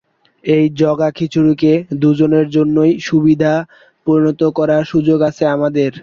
এই জগাখিচুড়িকে দুজনের জন্যই সুবিধায় পরিণত করার সুযোগ আছে আমাদের।